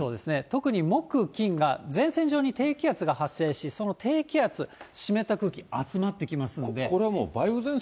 特に木、金が前線上に低気圧が発生し、その低気圧、湿った空気、これはもう、そうですね。